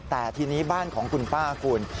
แต่ทีนี้บ้านของคุณป้าคุณ